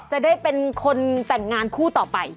จะได้เป็นคนแต่งงานคู่ต่อไป